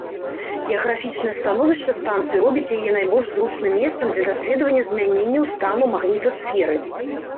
Геаграфічнае становішча станцыі робіць яе найбольш зручным месцам для даследвання змяненняў стану магнітасферы.